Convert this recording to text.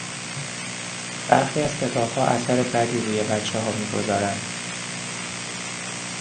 برخی از کتابها اثر بدی روی بچهها می گذارند.